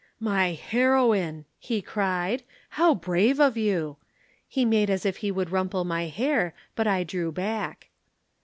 "'My heroine!' he cried. 'How brave of you!' He made as if he would rumple my hair but I drew back.